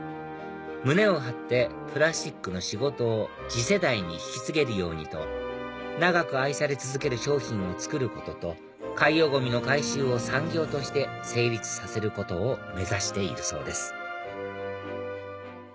胸を張ってプラスチックの仕事を次世代に引き継げるようにと長く愛され続ける商品を作ることと海洋ゴミの回収を産業として成立させることを目指しているそうです